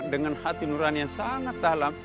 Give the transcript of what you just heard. dengan hati nurani yang sangat dalam